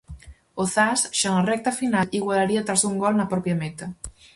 O Zas, xa na recta final, igualaría tras un gol na propia meta.